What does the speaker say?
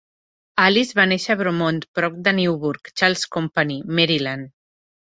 Alice va néixer a "Bromont", prop de Newburg, Charles Company, Maryland.